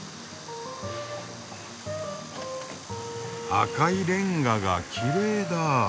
赤いレンガがきれいだ。